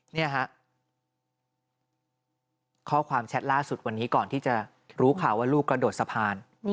นี่ฮะข้อความแชทล่าสุดวันนี้ก่อนที่จะรู้ข่าวว่าลูกกระโดดสะพาน